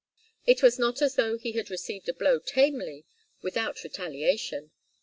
It was not as though he had received a blow tamely, without retaliation.